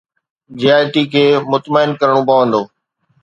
جي I T کي مطمئن ڪرڻو پوندو.